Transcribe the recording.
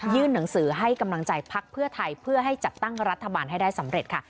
หนังสือให้กำลังใจพักเพื่อไทยเพื่อให้จัดตั้งรัฐบาลให้ได้สำเร็จค่ะ